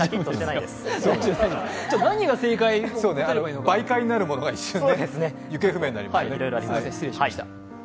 媒介になるものが一瞬、行方不明になりますね。